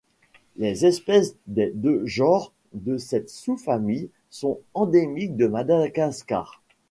Les espèces des deux genres de cette sous-famille sont endémiques de Madagascar.